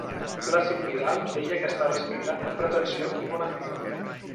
Plàcid Vidal deia que estava escrita amb pretensió i bona fe.